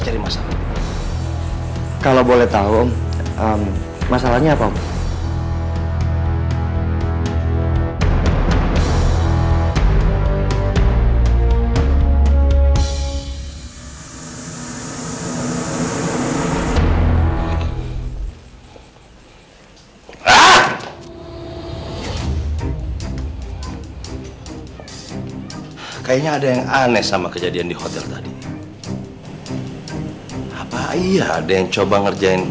dan kalaupun andis orangnya aku juga gak bisa nyalakain dia selama masih ada diiku